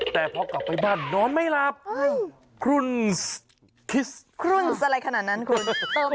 แต่พอกลับไปบ้านนอนไม่หลับครุ่นทิสครุ่นอะไรขนาดนั้นคุณ